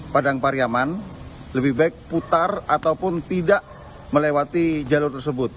padang pariaman lebih baik putar ataupun tidak melewati jalur tersebut